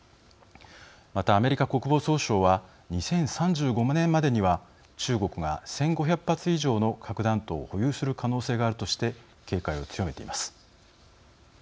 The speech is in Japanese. また、アメリカ国防総省は２０３５年までには中国が１５００発以上の核弾頭を保有する可能性があるとして警戒を強めています。